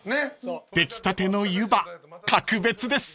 ［出来たてのゆば格別です］